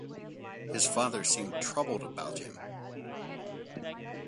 His father seemed troubled about him.